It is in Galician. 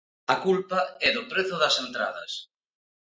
A culpa é do prezo das entradas.